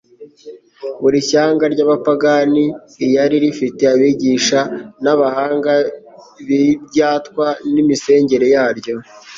Buri shyanga ry'abapagane iyari rifite abigisha b'abahanga b'ibyatwa n'imisengere yaryo;